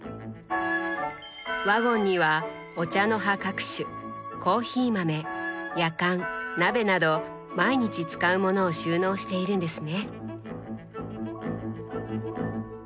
ワゴンにはお茶の葉各種コーヒー豆やかん鍋など毎日使うものを収納しているんですね。